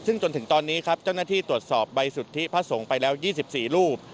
ซึ่งจนถึงตอนนี้ครับเจ้าหน้าที่ตรวจสอบใบสุทธิพระสงฆ์ไปแล้ว๒๔รูป